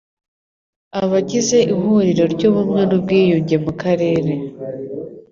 Abagize Ihuriro ry Ubumwe n Ubwiyunge mu Karere